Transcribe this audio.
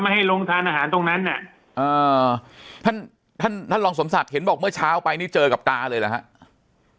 ให้ลงทานอาหารตรงนั้นน่ะท่านท่านรองสมศักดิ์เห็นบอกเมื่อเช้าไปนี่เจอกับตาเลยเหรอครับ